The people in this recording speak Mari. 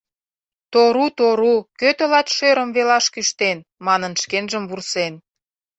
«Тору, Тору, кӧ тылат шӧрым велаш кӱштен!» — манын шкенжым вурсен.